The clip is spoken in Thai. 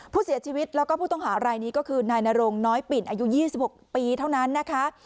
ผู้เสียชีวิตแล้วก็ผู้ต้องหารายนี้ก็คือนายนรงน้อยปิ่นอายุ๒๖ปีเท่านั้นนะคะ